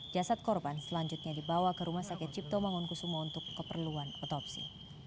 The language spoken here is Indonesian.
jasad korban selanjutnya dibawa ke rumah sakit cipto mangunkusumo untuk keperluan otopsi